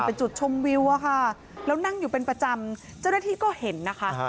เป็นจุดชมวิวอะค่ะแล้วนั่งอยู่เป็นประจำเจ้าหน้าที่ก็เห็นนะคะ